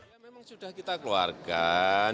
ya memang sudah kita keluarkan